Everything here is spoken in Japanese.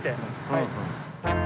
はい。